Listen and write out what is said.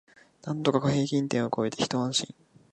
なんとか平均点を超えてひと安心